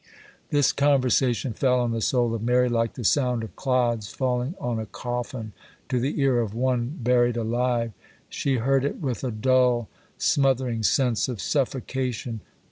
This conversation fell on the soul of Mary like the sound of clods falling on a coffin to the ear of one buried alive; she heard it with a dull, smothering sense of suffocation.